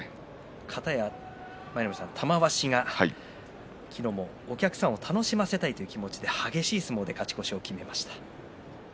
かたや玉鷲が昨日もお客さんを楽しませたいという気持ちで激しい相撲で勝ち越しを決めました。